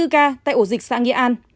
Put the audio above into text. sáu mươi bốn ca tại ổ dịch xã nghĩa an